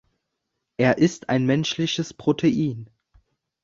Er ist ein menschliches Protein.